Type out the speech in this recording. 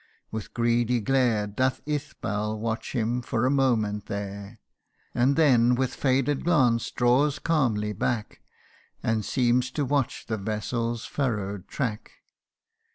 With greedy glare Doth Isbal watch him for a moment there ; And then with faded glance draws calmly back, And seems to watch the vessel's furrow'd track.